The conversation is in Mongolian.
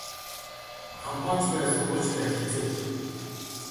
Компани ч бай сургууль ч бай хэцүү.